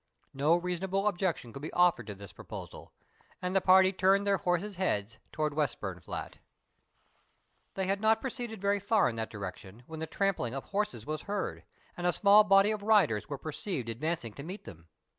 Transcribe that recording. No reasonable objection could be offered to this proposal, and the party turned their horses' heads towards Westburnflat. They had not proceeded very far in that direction when the trampling of horses was heard, and a small body of riders were perceived advancing to meet them.